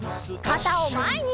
かたをまえに！